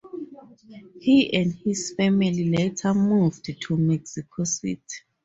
He and his family later moved to Mexico City.